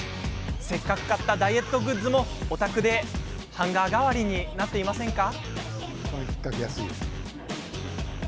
せっかく買ったダイエットグッズもお宅でハンガー代わりになっていませんか？